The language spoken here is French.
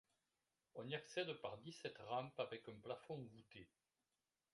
On y accède par dix-sept rampes avec un plafond voûté.